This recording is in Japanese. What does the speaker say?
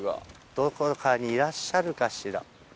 どこかにいらっしゃるかしら。